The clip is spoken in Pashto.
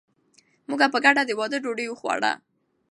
موږ په ګډه د واده ډوډۍ وخوړه.